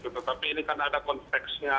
tetapi ini kan ada konteksnya